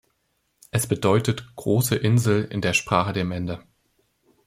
Es bedeutet „Große Insel“ in der Sprache der Mende.